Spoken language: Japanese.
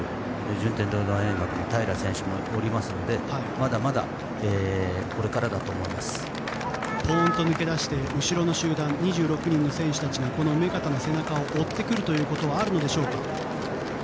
順天堂大学がいますのでポーンと抜け出して後ろの集団、２６人の選手たちが目片の背中を追ってくるということはあるのでしょうか。